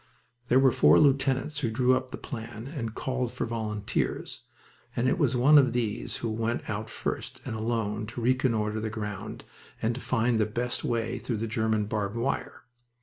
There were four lieutenants who drew up the plan and called for volunteers, and it was one of these who went out first and alone to reconnoiter the ground and to find the best way through the German barbed wire.